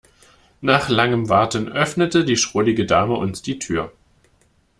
Nach langem Warten öffnete die schrullige Dame uns die Tür.